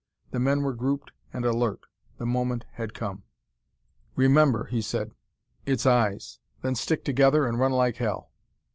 The men were grouped and alert. The moment had come. "Remember," he said, " its eyes. Then stick together and run like hell.